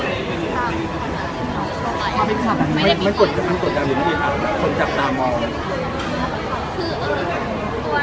วีคดีวอะไรขนาดนั้นก็ไม่ใช่คือมันก็ต้องอาการ